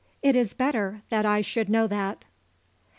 "It is better that I should know that."